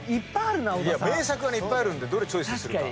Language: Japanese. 名作はいっぱいあるんでどれチョイスするか。